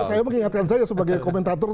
saya mengingatkan saya sebagai komentator